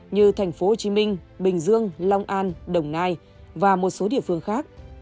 như thành phố hồ chí minh bình dương long an đồng nai và một số địa phương khác